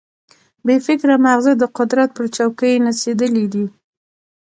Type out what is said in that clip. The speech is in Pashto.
بې فکره ماغزه د قدرت پر چوکۍ نڅېدلي دي.